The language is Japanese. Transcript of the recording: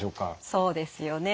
そうですよね。